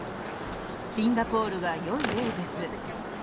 シンガポールがよい例です。